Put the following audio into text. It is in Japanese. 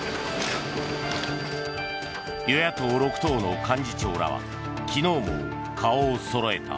与野党６党の幹事長らは昨日も顔をそろえた。